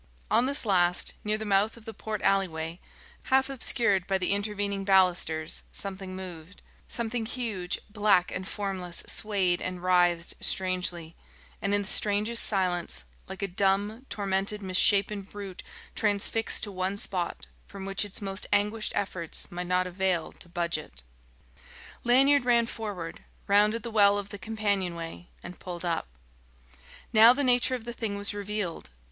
On this last, near the mouth of the port alleyway, half obscured by the intervening balusters, something moved, something huge, black, and formless swayed and writhed strangely, and in the strangest silence, like a dumb, tormented misshapen brute transfixed to one spot from which its most anguished efforts might not avail to budge it. Lanyard ran forward, rounded the well of the companionway, and pulled up. Now the nature of the thing was revealed.